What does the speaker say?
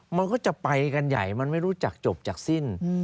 มันก็จะไปกันใหญ่มันไม่รู้จักจบจากสิ้น